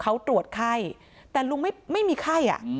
เขาตรวจไข้แต่ลุงไม่มีไข้